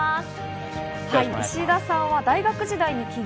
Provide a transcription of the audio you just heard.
石田さんは大学時代に起業。